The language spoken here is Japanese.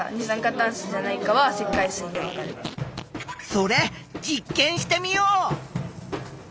それ実験してみよう！